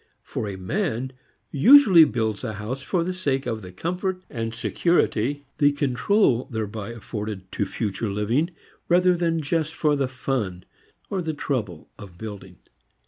For a man usually builds a house for the sake of the comfort and security, the "control," thereby afforded to future living rather than just for the fun or the trouble of building.